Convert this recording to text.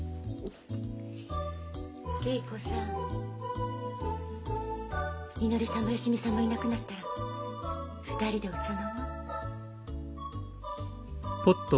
恵子さんみのりさんも芳美さんもいなくなったら２人でお茶飲も。